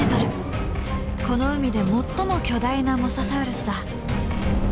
この海で最も巨大なモササウルスだ。